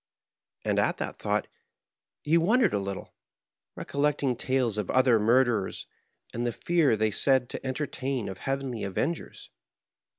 And at that thought, he wondered a little, recollecting tales of other murderers and the fear they were said to entertain of heavenly avengers.